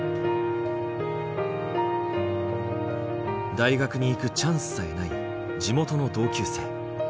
大学に行くチャンスさえない地元の同級生。